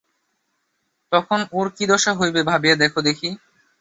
তখন ওর কী দশা হইবে ভাবিয়া দেখো দেখি।